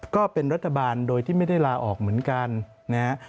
ก็เป็นรัฐบาลโดยที่ไม่ได้ลาออกเหมือนกันนะฮะ